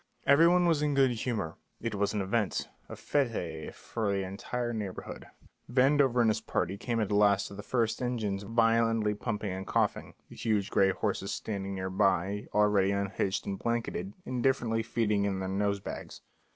Every one was in good humour; it was an event, a fête for the entire neighbourhood. Vandover and his party came at last to the first engines violently pumping and coughing, the huge gray horses standing near by, already unhitched and blanketed, indifferently feeding in their nosebags.